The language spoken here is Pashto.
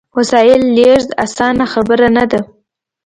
وسایلو لېږد اسانه خبره نه ده.